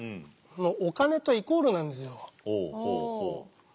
お金とイコールなんですよ。